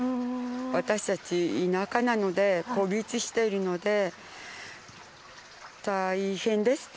私たち、田舎なので孤立しているので大変ですね。